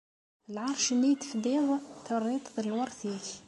Lɛerc-nni i d-tefdiḍ, terriḍ-t d lweṛt-ik.